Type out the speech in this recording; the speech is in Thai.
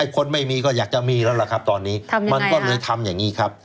คนไม่มีก็อยากจะมีแล้วล่ะครับตอนนี้มันก็เลยทำอย่างนี้ครับ